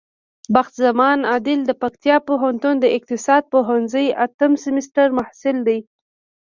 بخت زمان عادل د پکتيا پوهنتون د اقتصاد پوهنځی اتم سمستر محصل دی.